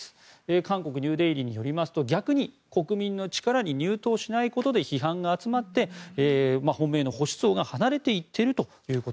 韓国ニューデイリーによりますと逆に国民の力に入党しないことで批判が集まり、本命の保守層が離れていっていると。